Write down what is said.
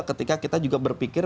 ketika kita juga berpikir